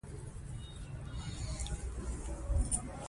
د نجونو زده کړه د باور اړيکې پالي.